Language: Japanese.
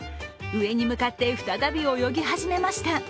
上に向かって再び泳ぎ始めました。